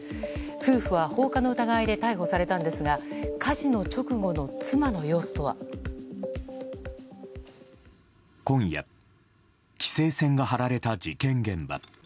夫婦は、放火の疑いで逮捕されたんですが火事の直後の妻の様子とは。今夜、規制線が張られた事件現場。